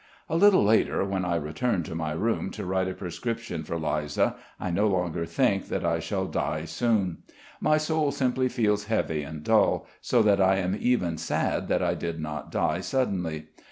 A little later when I return to my room to write a prescription for Liza I no longer think that I shall die soon. My soul simply feels heavy and dull, so that I am even sad that I did not die suddenly.